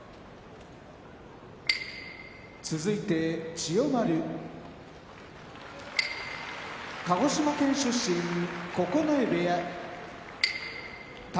千代丸鹿児島県出身九重部屋宝